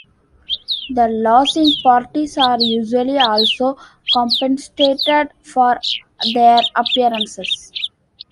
The losing parties are usually also compensated for their appearances.